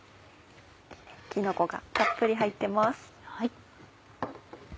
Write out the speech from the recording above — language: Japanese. きのこがたっぷり入ってます。